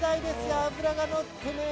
脂が乗ってね。